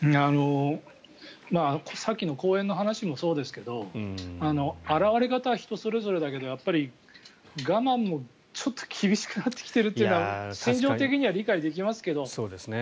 さっきの公園の話もそうですけど表れ方は人それぞれだけど我慢もちょっと厳しくなってきているのは心情的には理解できますけど。